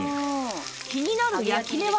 気になる焼き目は？